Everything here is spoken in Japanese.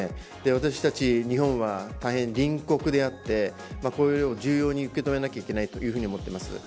私たち日本は大変隣国であってこれを重要に受け止めなきいけないと思っています。